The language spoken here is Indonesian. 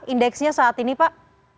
indeksnya saat ini pak